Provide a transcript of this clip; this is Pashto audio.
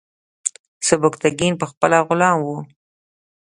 سبکتیګن پخپله غلام و.